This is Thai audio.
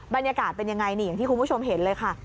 บรรยากาศเป็นอย่างไรอย่างที่คุณผู้ชมเห็นเลย